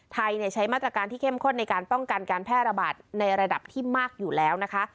ใช้มาตรการที่เข้มข้นในการป้องกันการแพร่ระบาดในระดับที่มากอยู่แล้วนะคะ